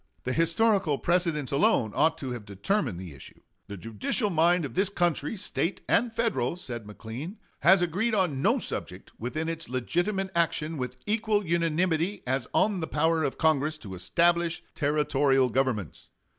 The historical precedents alone ought to have determined the issue. "The judicial mind of this country, State and Federal," said McLean, "has agreed on no subject within its legitimate action with equal unanimity as on the power of Congress to establish Territorial governments.